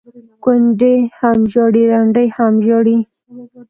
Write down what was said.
ـ کونډې هم ژاړي ړنډې هم ژاړي،